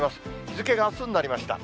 日付があすになりました。